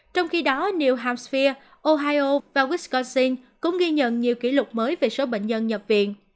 trong khi đó new hampshire ohio và wisconsin cũng ghi nhận nhiều kỷ lục mới về số bệnh nhân nhập viện